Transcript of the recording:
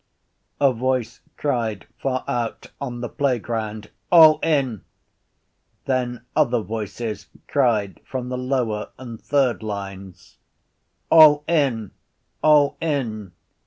A voice cried far out on the playground: —All in! Then other voices cried from the lower and third lines: —All in! All in!